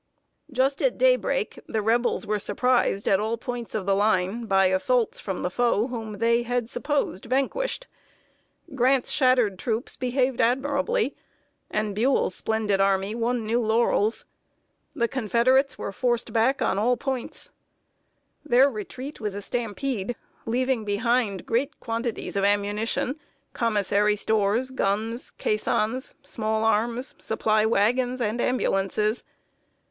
Just at day break, the Rebels were surprised at all points of the line by assaults from the foe whom they had supposed vanquished. Grant's shattered troops behaved admirably, and Buell's splendid army won new laurels. The Confederates were forced back at all points. Their retreat was a stampede, leaving behind great quantities of ammunition, commissary stores, guns, caissons, small arms, supply wagons and ambulances.